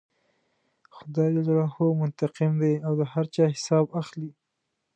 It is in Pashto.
خدای جل جلاله منتقم دی او د هر چا حساب اخلي.